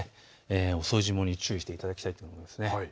遅霜に注意していただきたいと思います。